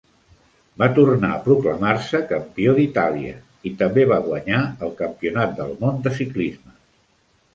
Va tornar a proclamar-se campió d'Itàlia i també va guanyar el Campionat del món de ciclisme.